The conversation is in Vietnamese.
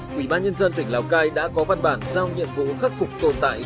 quỹ ban nhân dân tỉnh lào cai đã có văn bản giao nhiệm vụ khắc phục tồn tại